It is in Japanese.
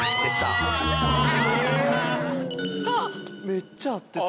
めっちゃ合ってた。